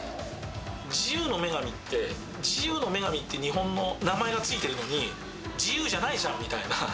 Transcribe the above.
自由の女神って、自由の女神って日本の名前が付いてるのに、自由じゃないじゃんみたいな。